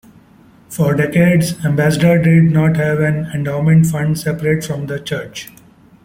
For decades Ambassador did not have an endowment fund separate from the church.